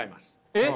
えっ？